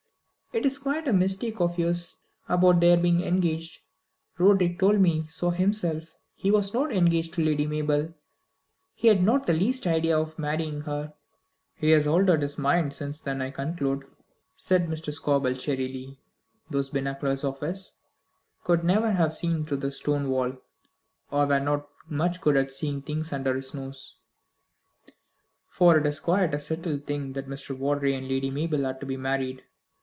"It is quite a mistake of yours about their being engaged. Roderick told me so himself. He was not engaged to Lady Mabel. He had not the least idea of marrying her." "He has altered his mind since then, I conclude," said Mr. Scobel cheerily those binoculars of his could never have seen through a stone wall, and were not much good at seeing things under his nose "for it is quite a settled thing that Mr. Vawdrey and Lady Mabel are to be married.